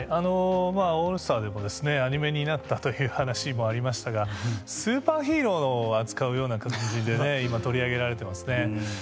オールスターでもアニメになったという話もありましたがスーパーヒーローを扱うような感じでね今取り上げられてますね。